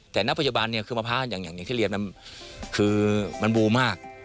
แต่น้ำพยาบาลคือมะพร้าวอย่างที่เรียบนั้นคือมันบูมาก